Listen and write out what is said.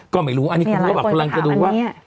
ก็ไม่รู้อันนี้คุณภาพกำลังจะรู้ว่า